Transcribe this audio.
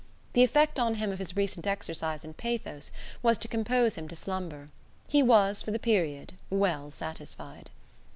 The effect on him of his recent exercise in pathos was to compose him to slumber. He was for the period well satisfied.